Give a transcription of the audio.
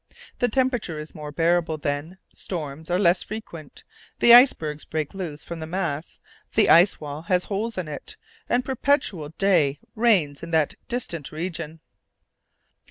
The temperature is more bearable then, storms are less frequent, the icebergs break loose from the mass, the ice wall has holes in it, and perpetual day reigns in that distant region.